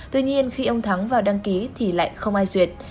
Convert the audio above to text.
tuy nhiên khi ông thắng vào đăng ký thì lại không ai duyệt